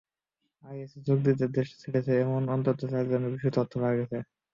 আইএসে যোগ দিতে দেশ ছেড়েছে, এমন অন্তত চারজনের বিষয়ে তথ্য পাওয়া গেছে।